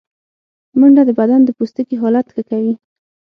منډه د بدن د پوستکي حالت ښه کوي